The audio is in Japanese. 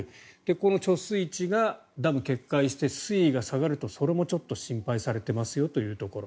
この貯水池がダム決壊して水位が下がるとそれもちょっと心配されていますよというところ。